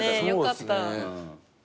よかった。